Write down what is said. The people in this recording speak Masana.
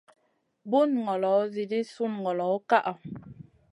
Bun ngolo edii sun ngolo ka ʼa.